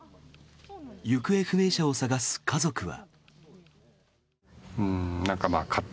行方不明者を捜す家族は。